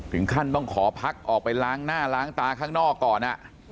ถึงขั้นต้องขอพักออกไปล้างหน้าล้างตาข้างนอกก่อน